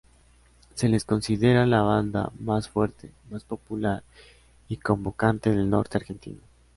Se les considera la banda más fuerte, más popular y convocante del Norte Argentino.